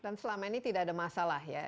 dan selama ini tidak ada masalah ya